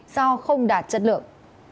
do không đạt chất lượng